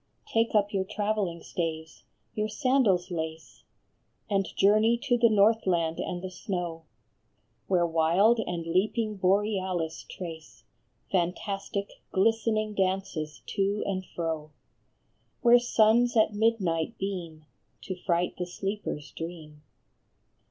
Take up your travelling staves, your sandals lace, And journey to the Northland and the snow, Where wild and leaping Borealis trace Fantastic, glistening dances to and fro ; Where suns at midnight beam, to fright the sleeper s dream.